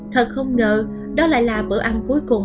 thật không ngờ đó lại là bữa ăn cuối cùng